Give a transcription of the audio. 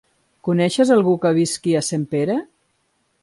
Coneixes algú que visqui a Sempere?